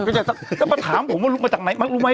ก็มาถามผมว่าลูกมาจากไหนมักรู้มั้ย